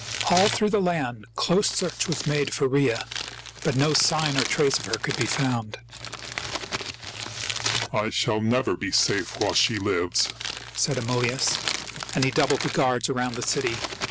All through the land close search was made for Rhea ; but no sign or trace of her could be found. " I shall never be safe while she lives," said Amulius; and he doubled the guards around the city.